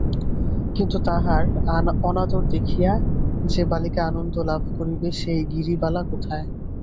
কিন্তু তাহার অনাদর দেখিয়া যে বালিকা আনন্দ লাভ করিবে সেই গিরিবালা কোথায়।